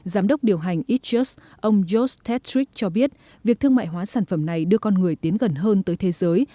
giám đốc điều hành eatjust ông josh tetrick cho biết việc thương mại hóa sản phẩm này đưa con người tiến gần hơn tới thế giới